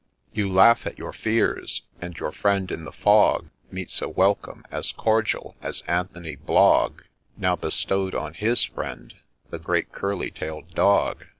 PETERS'S STORY You laugh at your fears — and your friend in the fog Meets a welcome as cordial as Anthony Blogg Now bestow'd on his friend — the great curly tail'd Dog.